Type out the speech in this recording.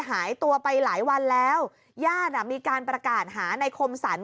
หายตัวไปหลายวันแล้วญาติมีการประกาศหาในคมสรร